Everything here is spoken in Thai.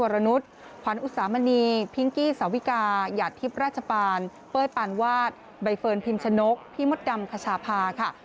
ราชปาลเป้ยปานวาดใบเฟิร์นพิมชนกพี่มดดำขชาพาค่ะ